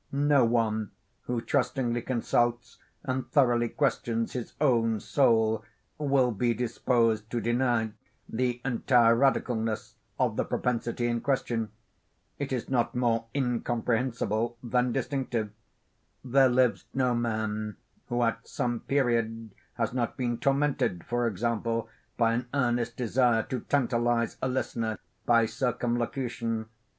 No one who trustingly consults and thoroughly questions his own soul, will be disposed to deny the entire radicalness of the propensity in question. It is not more incomprehensible than distinctive. There lives no man who at some period has not been tormented, for example, by an earnest desire to tantalize a listener by circumlocution.